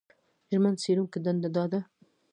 ژمن څېړونکي دنده دا ده